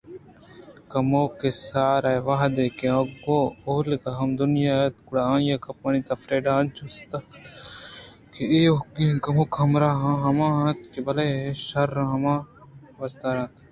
کموکے ساری وہدے کہ آ گوں اولگا ءَ ہم نیاد اَت گڑا آئی گپانی تہا فریڈا ءِ انچو ستا کُت کہ آئی ءِایوکیں کمک ءُہمراہ ہما اِنت بلئے شرّ آ ہمراہ ءَ وتارا سِستگ